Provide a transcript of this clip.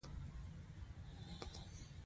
او ناڅاپه د بهلول سره اوږه په اوږه ولګېده.